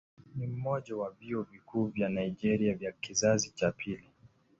Ni mmoja ya vyuo vikuu vya Nigeria vya kizazi cha pili.